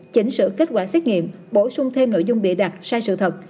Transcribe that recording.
chỉnh sửa kết quả xét nghiệm bổ sung thêm nội dung bị đặt sai sự thật